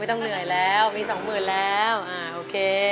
ต้องเหนื่อยแล้วมีสองหมื่นแล้วอ่าโอเค